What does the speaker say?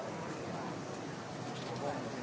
โปรดติดตามต่อไป